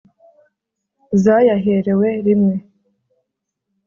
Zayaherewe rimwe